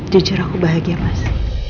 jujur aku bahagia mas